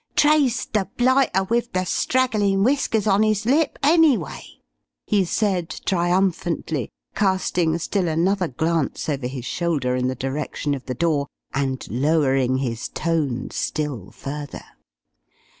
"Traced the blighter wiv the straggling whiskers on 'is lip, anyway!" he said, triumphantly, casting still another glance over his shoulder in the direction of the door, and lowering his tones still further.